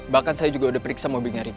bahkan saya juga udah periksa mobilnya itu